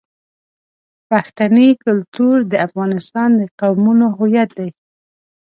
پښتني کلتور د افغانستان د قومونو هویت دی.